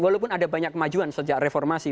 walaupun ada banyak kemajuan sejak reformasi